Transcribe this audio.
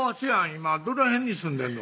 今どの辺に住んでんの？